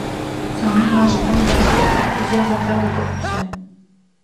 Son image est entachée par plusieurs affaires de corruption.